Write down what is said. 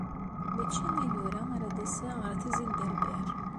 Mačči ayyur-a ara d-aseɣ ɣer Tizi n Berber.